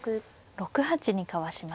６八にかわしました。